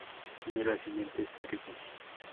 Tiene las siguientes tribus.